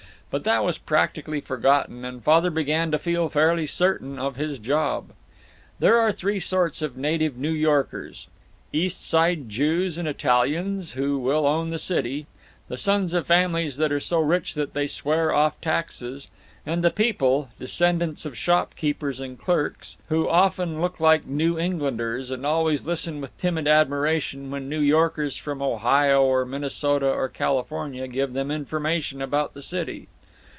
But that was practically forgotten, and Father began to feel fairly certain of his job. There are three sorts of native New Yorkers: East Side Jews and Italians, who will own the city; the sons of families that are so rich that they swear off taxes; and the people, descendants of shopkeepers and clerks, who often look like New Englanders, and always listen with timid admiration when New Yorkers from Ohio or Minnesota or California give them information about the city.